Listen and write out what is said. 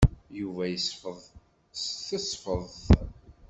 Yuba yesfeḍ s tesfeḍt.